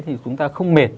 thì chúng ta không mệt